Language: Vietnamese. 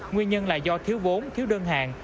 nguyên nhân là do thiếu vốn thiếu đơn hàng